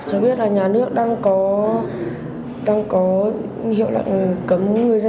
chỉ biết là nhà nước đang có hiệu đoạn cấm